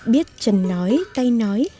biết chân nói tay nói